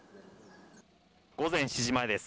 午前７時前です。